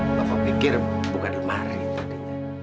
bapak pikir bukan lemari tadinya